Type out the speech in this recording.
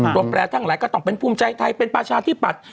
ตัวแปลทั้งหลายก็ต้องเป็นภูมิใจไทยเป็นประชาที่ปัด